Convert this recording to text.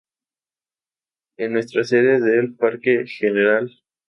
En nuestra Sede del Parque Gral.